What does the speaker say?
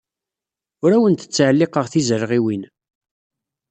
Ur awent-ttɛelliqeɣ tizalɣiwin.